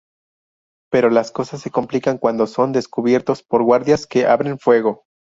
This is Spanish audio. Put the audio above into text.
Pero las cosas se complican cuando son descubiertos por guardias que abren fuego.